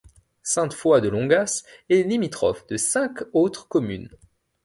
Sainte-Foy-de-Longas est limitrophe de cinq autres communes.